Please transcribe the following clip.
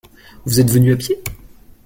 Vous êtes venu à pied ?